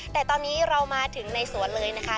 แต่ตอนนี้เรามาถึงในสวนเลยนะคะ